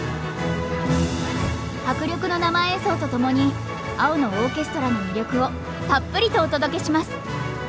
迫力の生演奏とともに「青のオーケストラ」の魅力をたっぷりとお届けします。